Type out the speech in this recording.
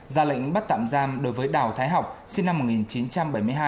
ra lệnh bắt tạm giam đối với đào thái học sinh năm một nghìn chín trăm bảy mươi hai